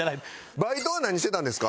バイトは何してたんですか？